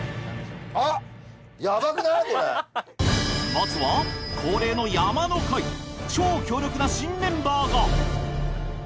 まずは恒例の超強力な新メンバーが！